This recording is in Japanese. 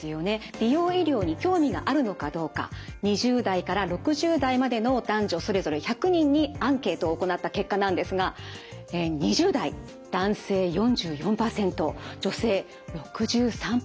美容医療に興味があるのかどうか２０代から６０代までの男女それぞれ１００人にアンケートを行った結果なんですが２０代男性４４％女性６３％と皆さん関心高いですよね。